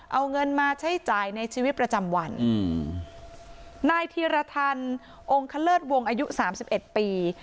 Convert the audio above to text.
เอาเงินมาใช้จ่ายในชีวิตประจำวันอืมนายธีรทันองคเลิศวงศ์อายุสามสิบเอ็ดปี